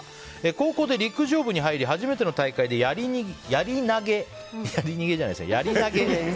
高校で陸上部に入り初めての大会でやり逃げじゃないやり投げですね。